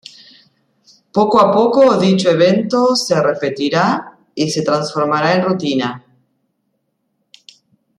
Poco a poco dicho evento se repetirá y se transformará en rutina.